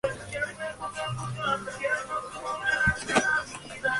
Es un sólido de color púrpura oscuro.